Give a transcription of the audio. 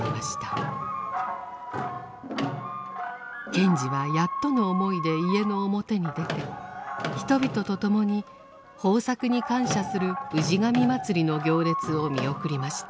賢治はやっとの思いで家の表に出て人々とともに豊作に感謝する氏神祭りの行列を見送りました。